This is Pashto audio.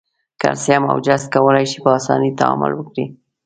کلسیم او جست کولای شي په آساني تعامل وکړي.